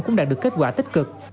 cũng đạt được kết quả tích cực